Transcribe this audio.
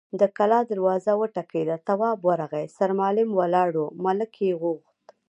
د کلا دروازه وټکېده، تواب ورغی، سرمعلم ولاړ و، ملک يې غوښت.